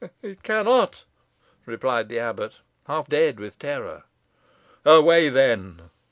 "It cannot," replied the abbot, half dead with terror. "Away, then!"